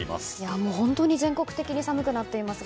もう本当に全国的に寒くなっていますが。